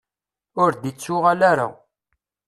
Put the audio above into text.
Ur d-ittuɣal ara.